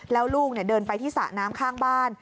แล้วลูกเดินไปที่สระน้ำข้างบ้าน